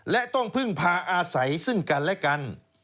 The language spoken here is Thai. และต้องพึ่งพาอาศัยซึ่งกันและกัน